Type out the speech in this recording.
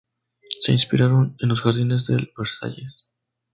Se inspiraron en los jardines del Versalles.